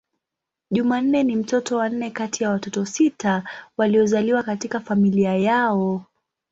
Jumanne ni mtoto wa nne kati ya watoto sita waliozaliwa katika familia yao.